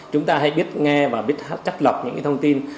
chúng ta hãy biết nghe và biết chắc lọc những thông tin